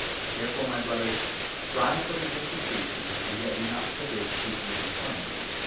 Therefore, my Brothers, strive 39 for the gift of preaching, and yet do not forbid speaking in 'tongues.'